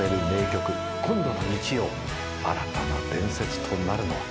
今度の日曜新たな伝説となるのは。